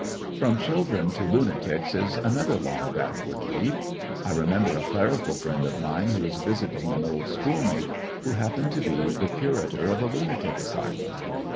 From children to lunatics is another long The biggest backward leap. I remember a clerical friend '^'^^^^'^ of mine who was visiting an old schoolmate who happened to be the curator of a lunatic asylum.